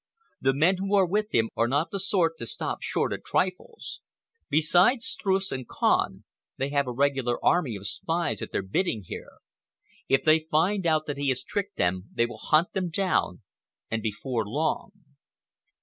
The men who are with him are not the sort to stop short at trifles. Besides Streuss and Kahn, they have a regular army of spies at their bidding here. If they find out that he has tricked them, they will hunt him down, and before long."